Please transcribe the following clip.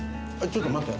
ちょっと待って。